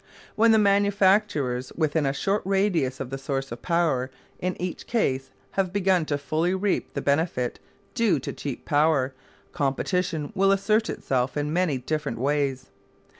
When the manufacturers within a short radius of the source of power in each case have begun to fully reap the benefit due to cheap power, competition will assert itself in many different ways.